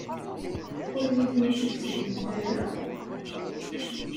Ur iyi-ten-id-tettakemt ara?